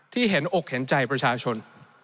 เห็นอกเห็นใจประชาชน